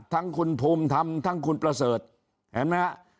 ทั้งคุณภูมิธรรมทั้งคุณประเสริฐเห็นไหมฮะ